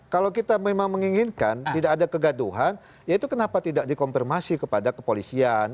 kalau kita memang menginginkan tidak ada kegaduhan ya itu kenapa tidak dikonfirmasi kepada kepolisian